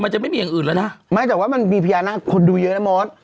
จะไม่มีอย่างอื่นแล้วนะไม่แต่ว่ามันมีพญานาคคนดูเยอะนะมอส